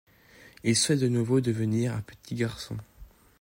Il souhaite de nouveau devenir un petit garçon.